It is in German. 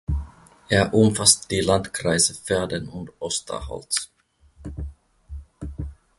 Er umfasst die Landkreise Verden und Osterholz.